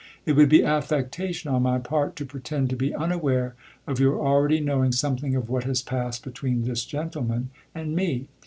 It would be affectation on my part to pretend to be unaware of your already knowing something of what has passed between this gentleman and me.